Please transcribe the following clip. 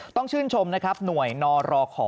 ต้องชื่นชมนะครับหน่วยนรขอ